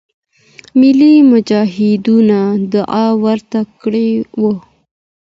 ملی مجاهدینو دعا ورته کړې وه.